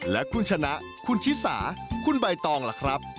และคุณชนะคุณชิสาคุณใบตองล่ะครับ